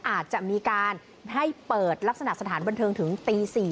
อาจจะมีการให้เปิดลักษณะสถานบันเทิงถึงตี๔